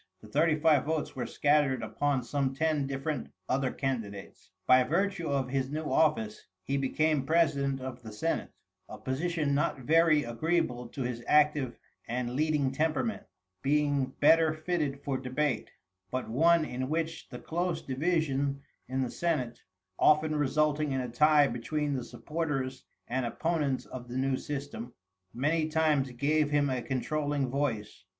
The thirty five votes were scattered upon some ten different other candidates. By virtue of his new office he became president of the senate, a position not very agreeable to his active and leading temperament, being better fitted for debate; but one in which the close division in the senate, often resulting in a tie between the supporters and opponents of the new system, many times gave him a controlling voice.